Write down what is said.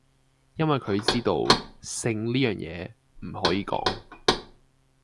因為佢知道，性呢樣野，唔可以講!